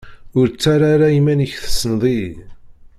Ur ttarra ara iman-ik tessneḍ-iyi.